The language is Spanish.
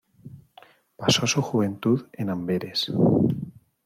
Pasó su juventud en Amberes.